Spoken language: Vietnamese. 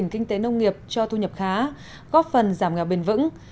kinh tế nông nghiệp cho thu nhập khá góp phần giảm nghèo bền vững